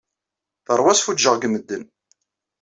Teṛwa asfuǧǧeɣ deg medden.